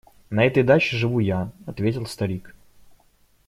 – На этой даче живу я, – ответил старик.